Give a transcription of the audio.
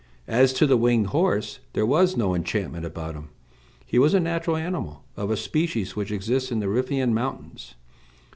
As to the winged horse, there was no enchantment about him. He was a natural animal, of a species which exists in the Riphaean mountains.